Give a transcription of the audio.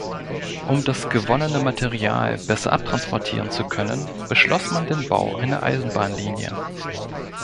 Um das gewonnene Material besser abtransportieren zu können, beschloss man den Bau einer Eisenbahnlinie.